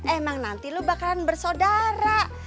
emang nanti lo bakalan bersaudara